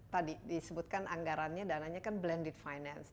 tadi disebutkan anggarannya dananya kan blended finance